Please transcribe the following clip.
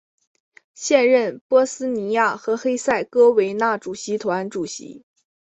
现任波斯尼亚和黑塞哥维那主席团主席。